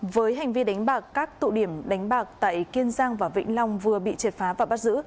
với hành vi đánh bạc các tụ điểm đánh bạc tại kiên giang và vĩnh long vừa bị triệt phá và bắt giữ